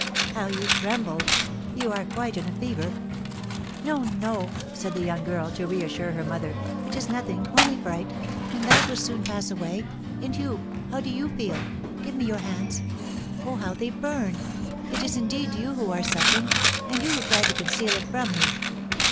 "How you tremble; you are quite in a fever." "No, no," said the young girl, to reassure her mother, "it is nothing only fright, and that will soon pass away. And you, how do you feel? Give me your hands. Oh, how they burn! It is, indeed, you who are suffering; and you try to conceal it from me!"